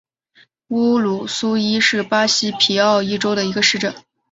乌鲁苏伊是巴西皮奥伊州的一个市镇。